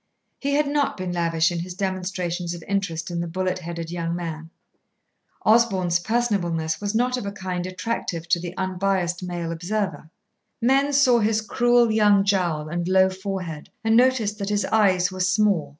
He had not been lavish in his demonstrations of interest in the bullet headed young man. Osborn's personableness was not of a kind attractive to the unbiassed male observer. Men saw his cruel young jowl and low forehead, and noticed that his eyes were small.